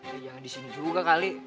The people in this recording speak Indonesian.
ya jangan di sini juga kali